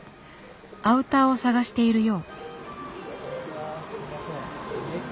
アウターを探しているよう。